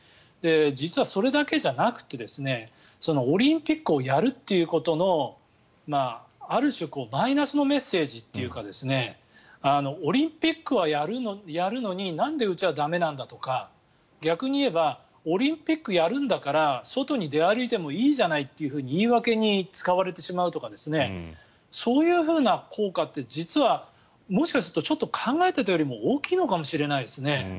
実は、それだけじゃなくてオリンピックをやるということのある種マイナスのメッセージというかオリンピックはやるのになんでうちは駄目なんだとか逆に言えばオリンピックやるんだから外を出歩いてもいいじゃないかと言い訳に使われてしまうとかそういうふうな効果って実は、もしかするとちょっと考えていたよりも大きいのかもしれないですね。